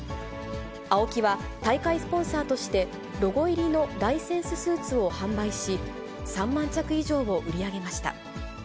ＡＯＫＩは大会スポンサーとして、ロゴ入りのライセンススーツを販売し、３万着以上を売り上げました。